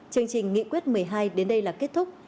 chương trình nghị quyết một mươi hai đến đây là kết thúc